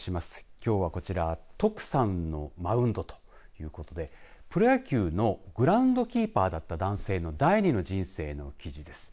きょうはこちら徳さんのマウンドということでプロ野球のグラウンドキーパーだった男性の第２の人生の記事です。